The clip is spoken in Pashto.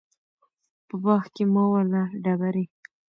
په باغ کې مه وله ډبري